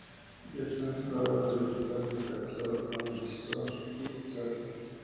Jackson es un productor de vegetales; está casado con Sookie St.